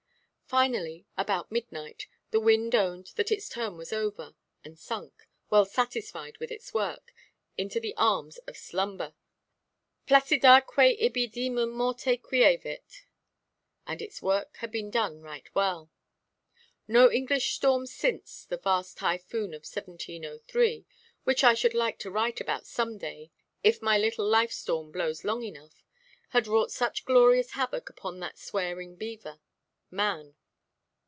Finally, about midnight, the wind owned that its turn was over, and sunk (well satisfied with its work) into the arms of slumber—"placidâque ibi demum morte quievit." And its work had been done right well. No English storm since the vast typhoon of 1703—which I should like to write about some day if my little life–storm blows long enough—had wrought such glorious havoc upon that swearing beaver, man.